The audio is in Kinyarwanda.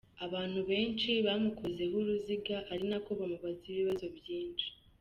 Abantu benshi bamukozeho uruziga, ari nako bamubaza ibibazo byinshi.